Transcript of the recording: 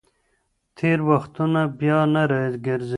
تېر وختونه بیا نه راګرځي.